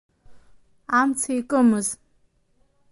Амца икымыз…